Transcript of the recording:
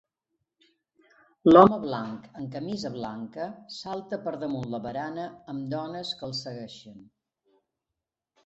L'home blanc amb camisa blanca salta per damunt la barana amb dones que el segueixen.